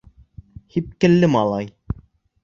ҺИПКЕЛЛЕ МАЛАЙ